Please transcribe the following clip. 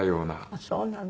あっそうなの。